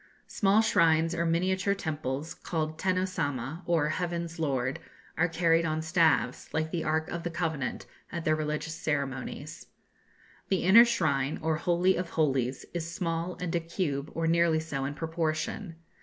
Small shrines or miniature temples, called Tenno Samma, or "Heaven's Lord," are carried on staves, like the Ark of the Covenant, at their religious ceremonies. The inner shrine, or Holy of Holies, is small, and a cube, or nearly so, in proportion.